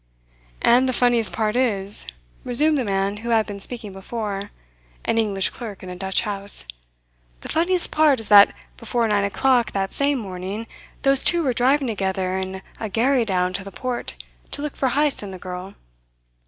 "And the funniest part is," resumed the man who had been speaking before an English clerk in a Dutch house "the funniest part is that before nine o'clock that same morning those two were driving together in a gharry down to the port, to look for Heyst and the girl.